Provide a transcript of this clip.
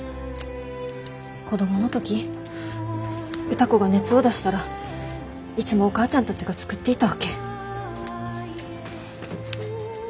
子供の時歌子が熱を出したらいつもお母ちゃんたちが作っていたわけ。